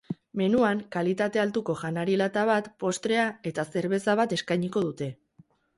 Menuan kalitate altuko janari lata bat, postrea eta zerbeza bat eskainiko dute.